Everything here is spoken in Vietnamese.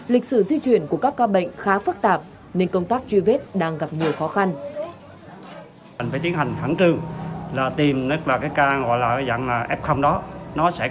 lịch sử di chuyển của các ca bệnh khá phức tạp nên công tác truy vết đang gặp nhiều khó khăn